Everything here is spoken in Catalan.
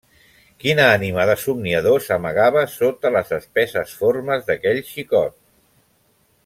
Quina ànima de somniador s'amagava sota les espesses formes d'aquell xicot!